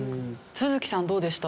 都築さんどうでした？